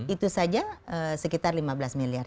itu saja sekitar lima belas miliar